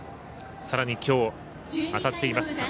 さらにきょう当たっています